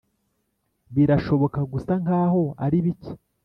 birashobora gusa nkaho ari bike